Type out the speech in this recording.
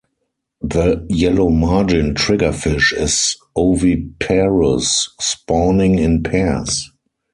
The yellowmargin triggerfish is oviparous, spawning in pairs.